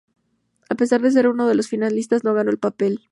A pesar de ser uno de los finalistas, no ganó el papel.